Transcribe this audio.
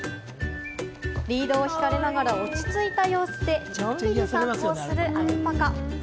リードを引かれながら落ち着いた様子でのんびり散歩をするアルパカ。